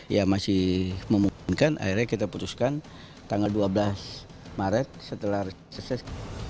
ya masih memungkinkan akhirnya kita putuskan tanggal dua belas maret setelah reses